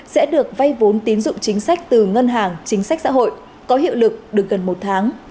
sẽ được vay vốn tín dụng chính sách từ ngân hàng chính sách xã hội có hiệu lực được gần một tháng